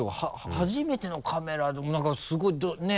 初めてのカメラでも何かすごいねぇ？